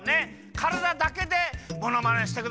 からだだけでものまねしてください。